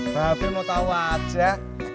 tapi mau tau aja